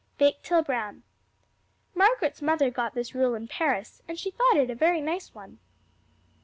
Bake till brown. Margaret's mother got this rule in Paris, and she though it a very nice one.